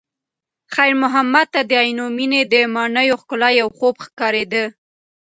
خیر محمد ته د عینومېنې د ماڼیو ښکلا یو خوب ښکارېده.